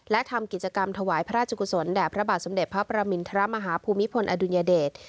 และทำกิจกรรมถวายพระราชกุศลแด่พระบาทสมเด็จพระประมินทรมาฮภูมิพลอดุลยเดช